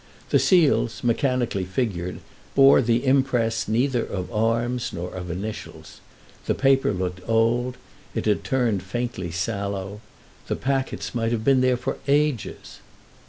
The seals, mechanically figured, bore the impress neither of arms nor of initials; the paper looked old—it had turned faintly sallow; the packets might have been there for ages.